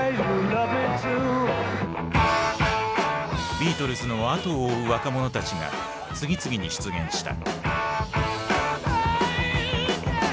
ビートルズの後を追う若者たちが次々に出現した。